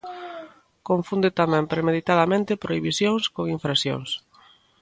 Confunde tamén premeditadamente prohibicións con infraccións.